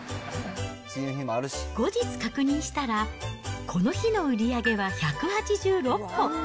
後日確認したら、この日の売り上げは１８６個。